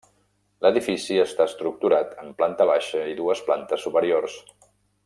L'edifici està estructurat en planta baixa i dues plantes superiors.